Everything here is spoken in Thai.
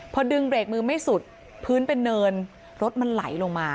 พอดึงเบรกมือไม่สุดพื้นเป็นเนินรถมันไหลลงมา